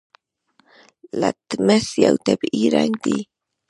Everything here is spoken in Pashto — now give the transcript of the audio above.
لتمس یو طبیعي رنګ دی.